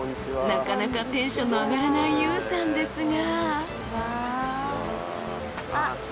［なかなかテンションの上がらないＹＯＵさんですが］